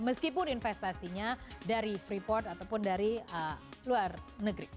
meskipun investasinya dari freeport ataupun dari luar negeri